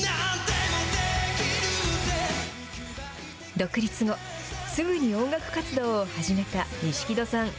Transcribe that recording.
独立後、すぐに音楽活動を始めた錦戸さん。